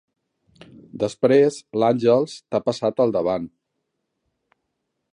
Després l'Àngels t'ha passat al davant.